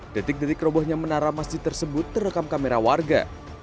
detik detik robohnya menara masjid tersebut terekam kamera warga